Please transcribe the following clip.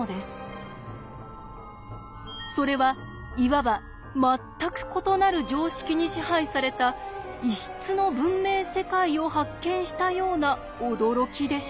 それはいわば全く異なる常識に支配された異質の文明世界を発見したような驚きでした。